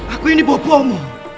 aku ini bopuamu